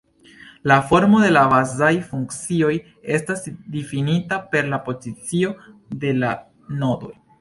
La formo de la bazaj funkcioj estas difinita per la pozicio de la nodoj.